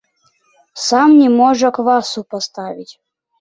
Сам не можа квасу паставіць.